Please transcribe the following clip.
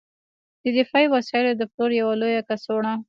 د دفاعي وسایلو د پلور یوه لویه کڅوړه